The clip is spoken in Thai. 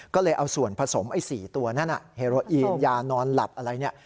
ก็เลยเอาส่วนผสมไอ้๔ตัวนั่นเฮโรอีนยานอนหลับอะไรเนี่ย